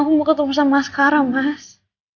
aku mau ketemu sama sekarang mas